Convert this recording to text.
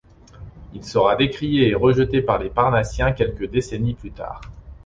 Il sera décrié et rejeté par les parnassiens quelques décennies plus tard.